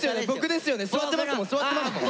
座ってますもん座ってますもん！